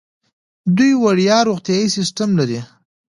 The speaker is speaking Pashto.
دوی وړیا روغتیايي سیستم لري.